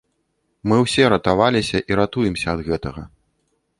Мы ўсе ратаваліся і ратуемся ад гэтага.